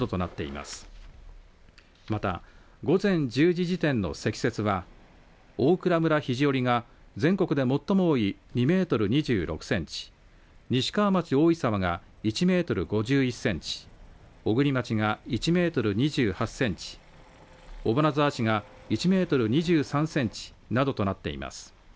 また、午前１０時時点の積雪は大蔵村肘折が全国で最も多い２メートル２６センチ西川町大井沢が１メートル５１センチ小国町が１メートル２８センチ尾花沢市が１メートル２３センチなどとなっています。